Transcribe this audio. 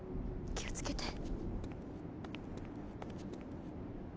気をつけて。